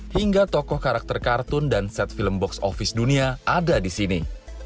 hingga tokoh karakter kartun dan set film box office dunia ada di sini